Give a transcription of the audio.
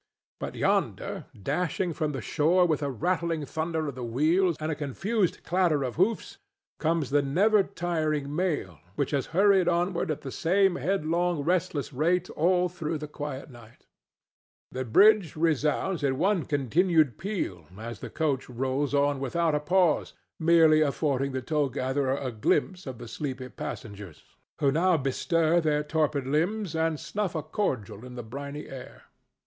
But yonder, dashing from the shore with a rattling thunder of the wheels and a confused clatter of hoofs, comes the never tiring mail, which has hurried onward at the same headlong, restless rate all through the quiet night. The bridge resounds in one continued peal as the coach rolls on without a pause, merely affording the toll gatherer a glimpse at the sleepy passengers, who now bestir their torpid limbs and snuff a cordial in the briny air.